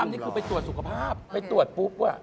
นี่คือไปตรวจสุขภาพไปตรวจปุ๊บ